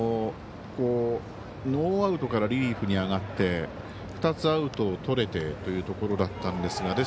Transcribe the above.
ノーアウトからリリーフに上がって２つ、アウトをとれてというところだったんですが。